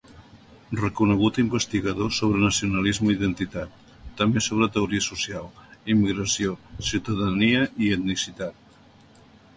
Reconegut investigador sobre nacionalisme i identitat, també sobre teoria social, immigració, ciutadania i etnicitat.